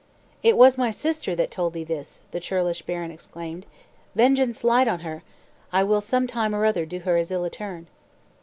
"It was my sister that told thee this," the churlish baron exclaimed. "Vengeance light on her! I will some time or other do her as ill a turn."